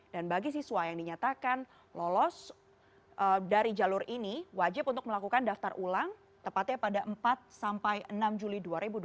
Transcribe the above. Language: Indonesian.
dan bagi siswa yang dinyatakan lolos dari jalur ini wajib untuk melakukan daftar ulang tepatnya pada empat sampai enam juli dua ribu dua puluh